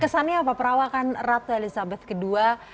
kesannya apa perawakan ratu elizabeth ii